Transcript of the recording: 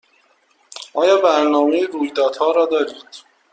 آیا برنامه رویدادها را دارید؟